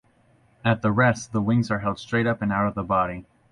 At the rest the wings are held straight up and out of the body.